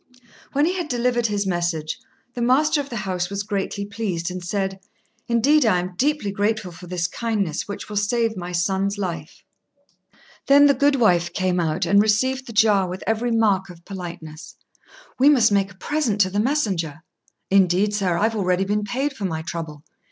When he had delivered his message, the master of the house was greatly pleased, and said, "Indeed, I am deeply grateful for this kindness, which will save my son's life." Then the goodwife came out, and received the jar with every mark of politeness. "We must make a present to the messenger." "Indeed, sir, I've already been paid for my trouble."